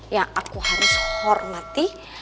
yang aku harus hormati